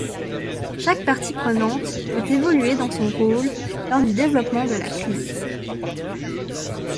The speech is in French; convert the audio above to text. Chaque partie prenante peut évoluer dans son rôle lors du développement de la crise.